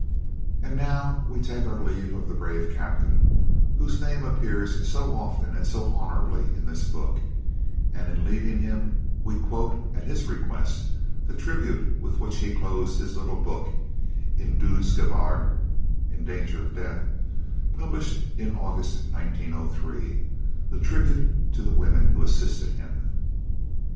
And now we take our leave of the brave Captain whose name appears so often and so honourably in this book, and in leaving him, we quote, at his request, the tribute with which he closed his little book In Doodsgevaar ("In Danger of Death") published in August 1903 a tribute to the women who assisted him.